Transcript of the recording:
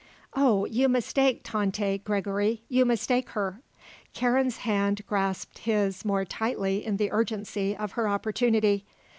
"Oh, you mistake Tante, Gregory, you mistake her." Karen's hand grasped his more tightly in the urgency of her opportunity.